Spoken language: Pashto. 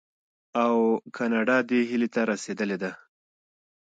او کاناډا دې هیلې ته رسیدلې ده.